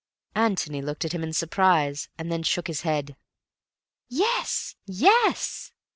Antony looked at him in surprise, and then shook his head. "Yes, yes!"